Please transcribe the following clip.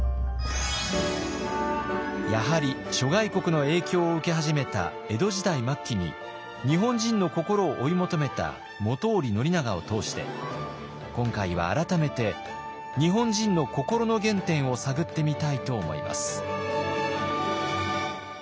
やはり諸外国の影響を受け始めた江戸時代末期に日本人の心を追い求めた本居宣長を通して今回は改めて日本人の心の原点を探ってみたいと思います。